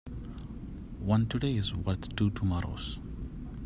One today is worth two tomorrows.